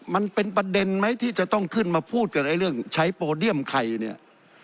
มันเป็นประเด็นไหมที่จะต้องขึ้นมาพูดกับไอ้เรื่องใช้โปรเดียมใครเนี่ย